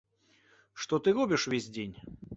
Што ты робіш ўвесь дзень?